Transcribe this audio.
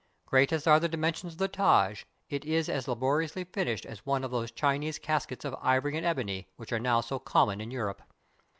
Great as are the dimensions of the Taj, it is as laboriously finished as one of those Chinese caskets of ivor}" and ebony, which are now so common in Europe.